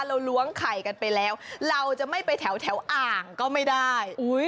ล้วงไข่กันไปแล้วเราจะไม่ไปแถวอ่างก็ไม่ได้